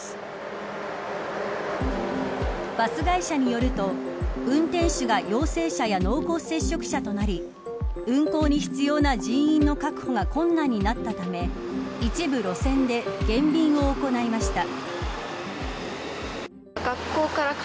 バス会社によると運転手が陽性者や濃厚接触者となり運行に必要な人員の確保が困難になったため一部、路線で減便を行いました。